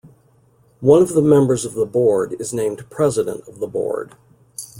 One of the members of the board is named president of the board.